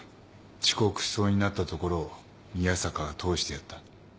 遅刻しそうになったところを宮坂が通してやった。